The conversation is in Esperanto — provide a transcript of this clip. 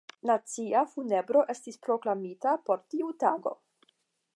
Nacia funebro estis proklamita por tiu tago.